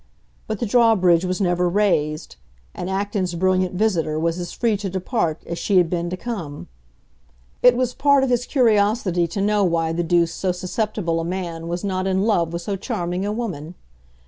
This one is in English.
But the draw bridge was never raised, and Acton's brilliant visitor was as free to depart as she had been to come. It was part of his curiosity to know why the deuce so susceptible a man was not in love with so charming a woman.